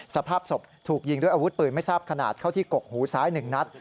สภาพศพถูกยิงด้วยอาวุธปืนไม่ทราบขนาดเข้าที่กกหูซ้าย๑นัด